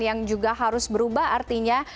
yang juga harus berubah artinya